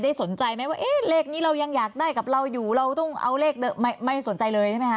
สนใจไหมว่าเอ๊ะเลขนี้เรายังอยากได้กับเราอยู่เราต้องเอาเลขไม่สนใจเลยใช่ไหมคะ